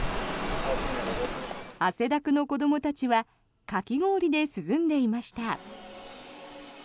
汗だくの子どもたちはかき氷で涼んでいました。